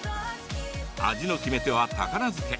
味の決め手は高菜漬け。